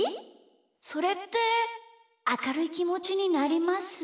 それってあかるいきもちになります？